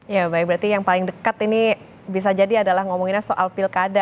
ya baik berarti yang paling dekat ini bisa jadi adalah ngomonginnya soal pilkada